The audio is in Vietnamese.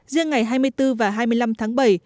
riêng ngày hai mươi bốn và hai mươi năm tháng bảy